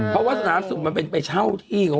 เพราะว่าสนามสุขมันเป็นไปเช่าที่เขา